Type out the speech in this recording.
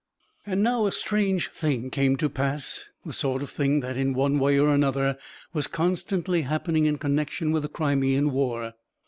And now a strange thing came to pass; the sort of thing that, in one way or another, was constantly happening in connection with the Crimean War.